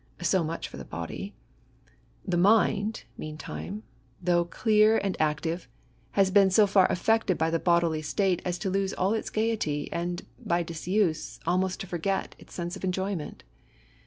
So much for the body. The mind, meantime, though clear and active, has been so far affected by the bodily state as to lose all its gaiety, and, by disuse, almost to forget its sense of enjoyment.